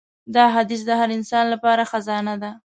دا حدیث د هر انسان لپاره خزانه ده.